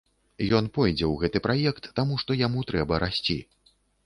Ён пойдзе ў гэты праект, таму што яму трэба расці.